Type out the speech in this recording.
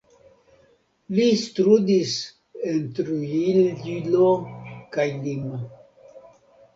Li studis en Trujillo kaj Lima.